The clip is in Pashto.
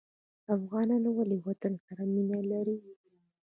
افغانان ولې وطن سره مینه لري؟